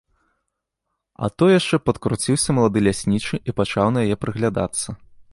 А то яшчэ падкруціўся малады ляснічы і пачаў на яе прыглядацца.